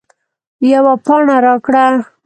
یوه پاڼه راکړه